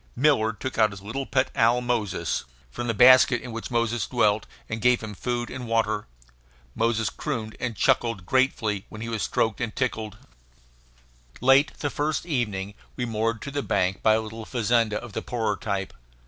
Miller took out his little pet owl Moses, from the basket in which Moses dwelt, and gave him food and water. Moses crooned and chuckled gratefully when he was stroked and tickled. Late the first evening we moored to the bank by a little fazenda of the poorer type.